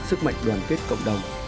sức mạnh đoàn kết cộng đồng